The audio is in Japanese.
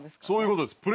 そういう事です。